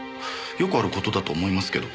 よくある事だと思いますけど。